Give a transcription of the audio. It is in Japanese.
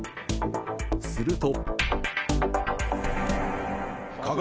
すると。